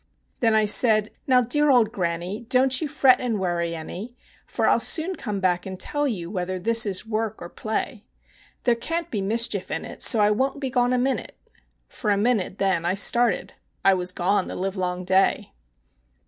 Then I said, "Now, dear old granny, don't you fret and worry any, For I'll soon come back and tell you whether this is work or play; There can't be mischief in it, so I won't be gone a minute" For a minute then I started. I was gone the live long day.